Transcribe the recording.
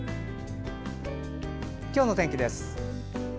今日の天気です。